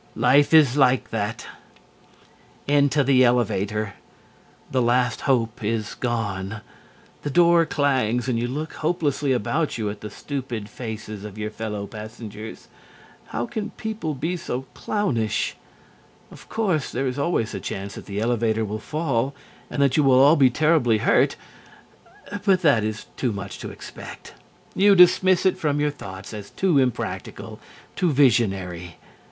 Life is like that! Into the elevator. The last hope is gone. The door clangs and you look hopelessly about you at the stupid faces of your fellow passengers. How can people be so clownish? Of course, there is always the chance that the elevator will fall and that you will all be terribly hurt. But that is too much to expect. You dismiss it from your thoughts as too impractical, too visionary.